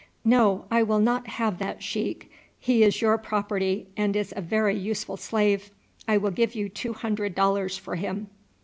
"No, I will not have that, sheik; he is your property, and is a very useful slave. I will give you two hundred dollars for him."